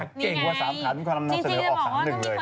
นี่ไงจริงจะบอกว่าต้องมีคนถูกเยอะ